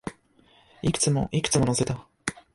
いくつも、いくつも乗せた